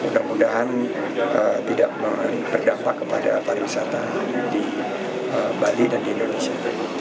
mudah mudahan tidak berdampak kepada pariwisata di bali dan di indonesia